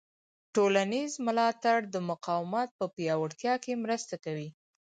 ټولنیز ملاتړ د مقاومت په پیاوړتیا کې مرسته کوي.